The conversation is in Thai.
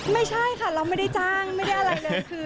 ไม่ใช่ค่ะเราไม่ได้จ้างไม่ได้อะไรเลยคือ